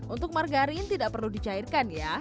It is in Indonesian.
untuk margarin tidak perlu dicairkan ya